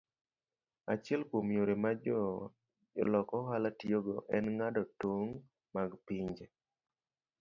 Achiel kuom yore ma jolok ohala tiyogo en ng'ado tong' mag pinje.